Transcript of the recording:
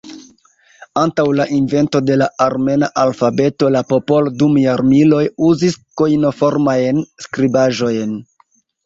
Antaŭ la invento de la armena alfabeto la popolo dum jarmiloj uzis kojnoformajn skribaĵojn.